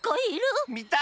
みたい！